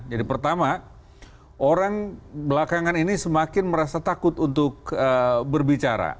jadi pertama orang belakangan ini semakin merasa takut untuk berbicara